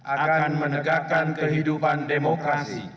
akan menegakkan kehidupan demokrasi